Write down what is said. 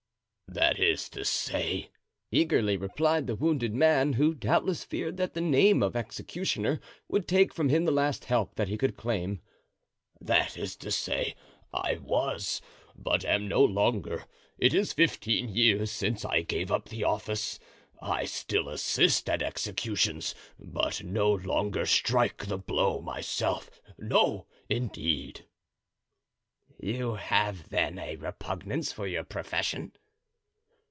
"That is to say," eagerly replied the wounded man, who doubtless feared that the name of executioner would take from him the last help that he could claim—"that is to say, I was, but am no longer; it is fifteen years since I gave up the office. I still assist at executions, but no longer strike the blow myself—no, indeed." "You have, then, a repugnance to your profession?"